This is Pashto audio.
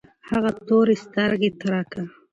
هغه تورې سترګې ترکه